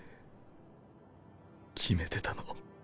決めてたの。